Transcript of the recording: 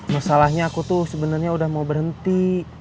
masalahnya aku tuh sebenarnya udah mau berhenti